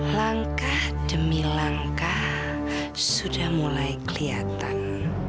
langkah demi langkah sudah mulai kelihatan